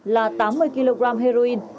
là tám mươi kg heroin